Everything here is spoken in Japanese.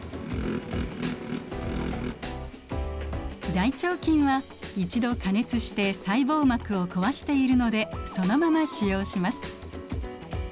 大腸菌は一度加熱して細胞膜を壊しているのでそのまま使用します。